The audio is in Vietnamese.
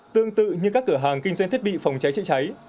tương tự như các cửa hàng kinh doanh thiết bị phòng cháy chữa cháy